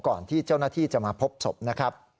ก่อนที่เจ้าหน้าที่จะมาพบศพนะครับ